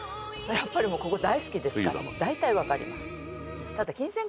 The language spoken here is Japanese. やっぱりここ大好きですから。